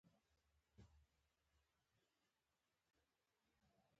کوچني کاروبارونه د پوهنې له بهیر سره مرسته کوي.